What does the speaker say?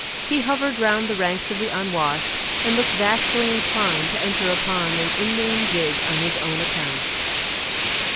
He hovered round the ranks of the unwashed, and looked vastly inclined to enter upon an Indian jig, on his own account.